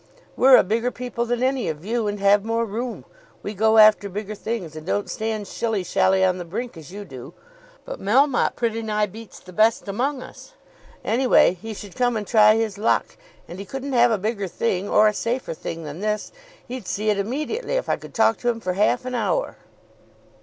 We're a bigger people than any of you and have more room. We go after bigger things, and don't stand shilly shally on the brink as you do. But Melmotte pretty nigh beats the best among us. Anyway he should come and try his luck, and he couldn't have a bigger thing or a safer thing than this. He'd see it immediately if I could talk to him for half an hour."